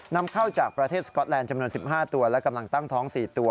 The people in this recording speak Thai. นำเข้าจากประเทศสก๊อตแลนด์จำนวน๑๕ตัวและกำลังตั้งท้อง๔ตัว